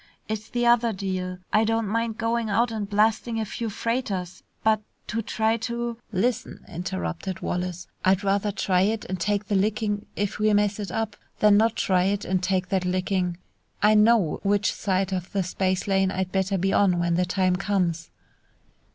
"It's the other deal. I don't mind going out and blasting a few freighters, but to try to " "Lissen," interrupted Wallace, "I'd rather try it and take the licking if we mess it up, than not try it and take that licking. I know which side of the space lane I'd better be on when the time comes!"